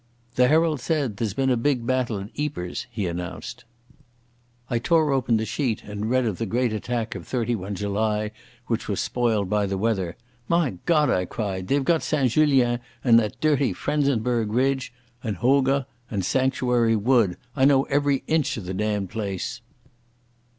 "The Herald says there's been a big battle at Eepers," he announced. I tore open the sheet and read of the great attack of 31 July which was spoiled by the weather. "My God!" I cried. "They've got St Julien and that dirty Frezenberg ridge ... and Hooge ... and Sanctuary Wood. I know every inch of the damned place...."